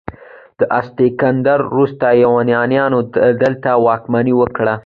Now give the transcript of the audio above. د اسکندر وروسته یونانیانو دلته واکمني وکړه